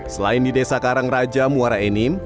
selain di desa karangraja muara enim